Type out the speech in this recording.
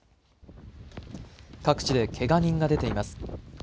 各地でけが人が出ています。